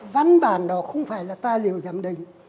văn bản đó không phải là tài liệu giám định